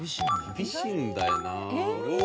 厳しいんだよな。